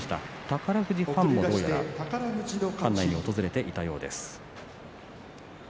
宝富士ファンもどうやら館内に訪れていたようです。